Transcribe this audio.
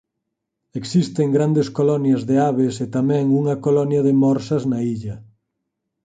Existen grandes colonias de aves e tamén unha colonia de morsas na illa.